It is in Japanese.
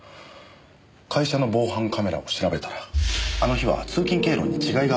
会社の防犯カメラを調べたらあの日は通勤経路に違いがあったようなんですけど。